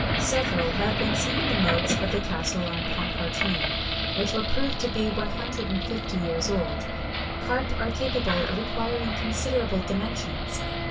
Several have been seen in the moats of the castle of Ponchartrain, which were proved to be 150 years old. Carp are capable of acquiring considerable dimensions.